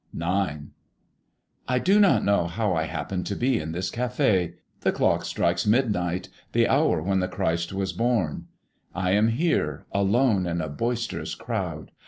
IX. I do not know how I happen to be in this café. The clock strikes midnight, the hour when the Christ was born. I am here, alone, in a boisterous crowd.